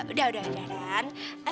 udah udah udah ran